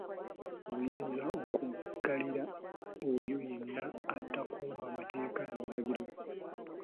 Obuyinza okuggalira oyo yenna atakuuma mateeka na biragiro.